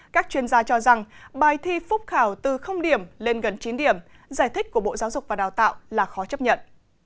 các chuyên gia cho rằng bài thi phúc khảo từ điểm lên gần chín điểm giải thích của bộ giáo dục và đào tạo là khó chấp nhận